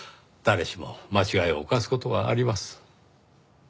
誰しも間違いを犯す事はあります。